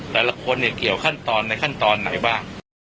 แต่ละคนเนี่ยเกี่ยวขั้นตอนในขั้นตอนไหนบ้าง